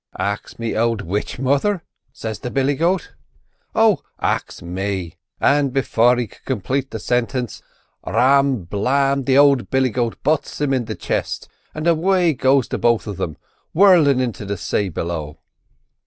"'Ax me ould which mother?' says the billy goat. "'Oh, ax me——' And before he could complete the sintence ram, blam, the ould billy goat butts him in the chist, and away goes the both of thim whirtlin' into the say below.